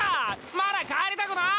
まだ帰りたくない！